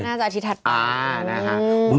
น่าจะอาทิตย์ถัดไป